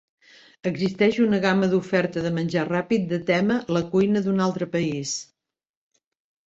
Existeix una gamma d'oferta de menjar ràpid de tema la cuina d'un altre país.